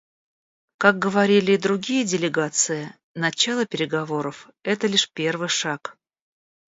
Как говорили и другие делегации, начало переговоров − это лишь первый шаг.